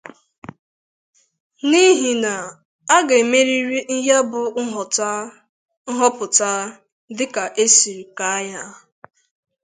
n'ihi na a ga-emerịrị ya bụ nhọpụta dịka e siri kàá ya